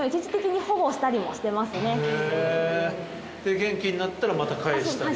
元気になったらまた返したり？